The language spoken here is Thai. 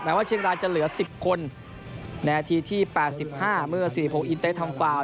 แหมว่าเชียงรายจะเหลือสิบคนในอาทิตย์ที่แปดสิบห้าเมื่อสิริโพกอินไตร์ทำฟาวน์